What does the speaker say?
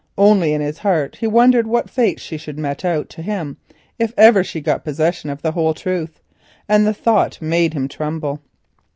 Only in his heart he wondered what fate she would mete out to him if ever she got possession of the whole truth, and the thought made him tremble.